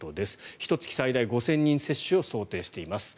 ひと月最大５０００人接種を想定しています。